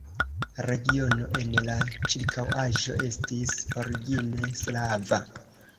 Regiono en la ĉirkaŭaĵo estis origine slava.